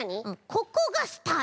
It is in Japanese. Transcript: ここがスタート？